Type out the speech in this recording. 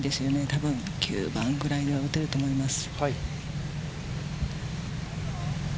多分９番ぐらいは打てると思います。